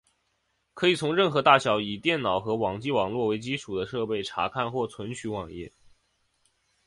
可以从任何大小以电脑和网际网路为基础的设备查看或存取网页。